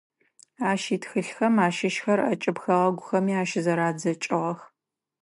Ащ итхылъхэм ащыщхэр ӏэкӏыб хэгъэгухэми ащызэрадзэкӏыгъэх.